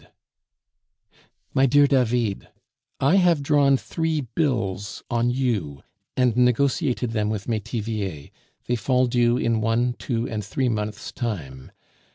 _ "MY DEAR DAVID, I have drawn three bills on you, and negotiated them with Metivier; they fall due in one, two, and three months' time.